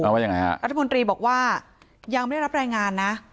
ว่ายังไงฮะรัฐมนตรีบอกว่ายังไม่ได้รับรายงานนะ